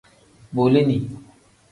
Bolini.